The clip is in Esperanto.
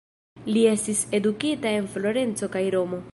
Li estis edukita en Florenco kaj Romo.